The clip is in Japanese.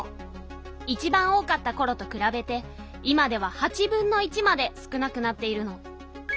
いちばん多かったころとくらべて今では８分の１まで少なくなっているの。